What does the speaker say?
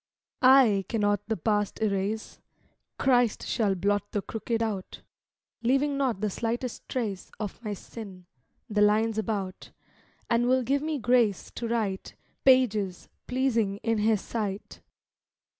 I can not the past erase. Christ shall blot the crooked out, Leaving not the slightest trace Of my sin, the lines about; And will give me grace to write Pages pleasing in His sight.